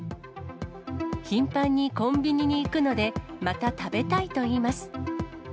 頻繁にコンビニに行くので、また食べたいといいます。